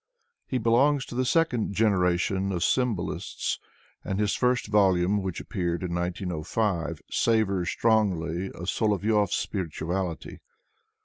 He belongs to the second generation of symbolists, and his first volume, which appeared in 1905, savors strongly of Solovyov's spirituality.